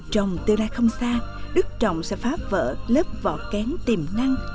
trồng tương lai không xa đức trọng sẽ phá vỡ lớp vỏ kén tiềm năng